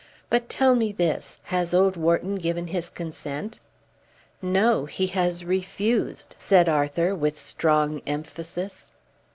But tell me this. Has old Wharton given his consent?" "No. He has refused," said Arthur with strong emphasis.